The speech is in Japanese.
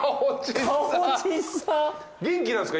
元気なんすか？